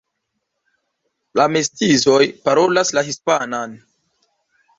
La mestizoj parolas la hispanan.